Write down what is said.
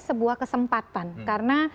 sebuah kesempatan karena